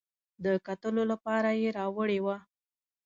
د کتلو لپاره یې راوړې وه.